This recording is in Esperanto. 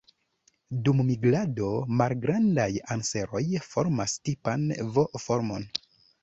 Dum migrado, Malgrandaj anseroj formas tipan V-formon.